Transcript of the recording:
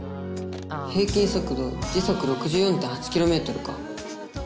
平均速度時速６４．８ｋｍか。